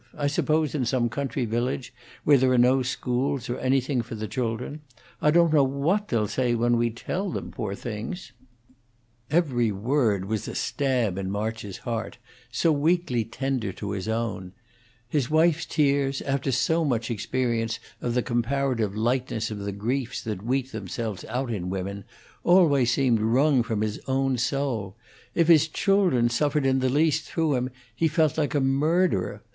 I suppose in some country village, where there are no schools, or anything for the children. I don't know what they'll say when we tell them, poor things." Every word was a stab in March's heart, so weakly tender to his own; his wife's tears, after so much experience of the comparative lightness of the griefs that weep themselves out in women, always seemed wrung from his own soul; if his children suffered in the least through him, he felt like a murderer.